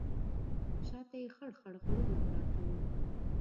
شا ته یې خړ خړ غرونه پراته وو.